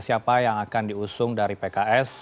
siapa yang akan diusung dari pks